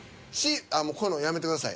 もうこういうのやめてください。